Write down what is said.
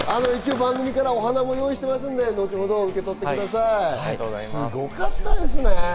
番組からお花も用意していますので、後ほど受け取ってください、すごかったですね。